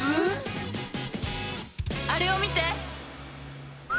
あれを見て！